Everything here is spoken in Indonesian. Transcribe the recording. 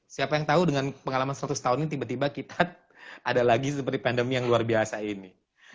siapa yang tahu dengan pengalaman seratus tahun ini tiba tiba kita ada lagi seperti pandemi yang luar biasa ini